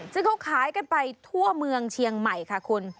ซึ่งเขาขายกันไปทั่วเมืองเชียงใหม่ค่ะคุณ